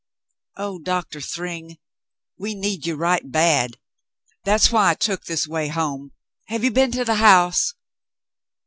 "Oh, Doctor Thryng, we need you right bad. That's why I took this way home. Have you been to the house